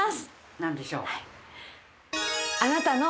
何でしょう？